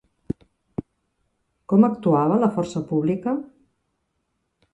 Com actuava la Force Publique?